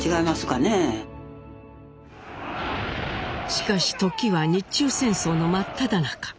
しかし時は日中戦争の真っただ中。